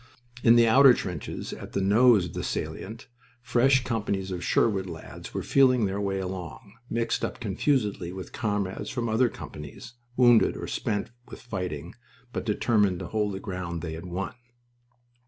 In the outer trenches, at the nose of the salient, fresh companies of Sherwood lads were feeling their way along, mixed up confusedly with comrades from other companies, wounded or spent with fighting, but determined to hold the ground they had won.